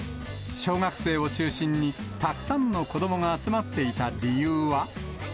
小学生を中心に、たくさんの子どもが集まっていた理由は。